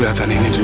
berani berhenti lo